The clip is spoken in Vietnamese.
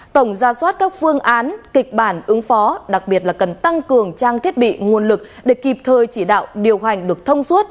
tổng ra soát các phương án kịch bản ứng phó đặc biệt là cần tăng cường trang thiết bị nguồn lực để kịp thời chỉ đạo điều hành được thông suốt